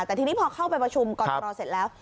แต่ทีนี้พอเข้าไปประชุมกรตรเสร็จแล้ว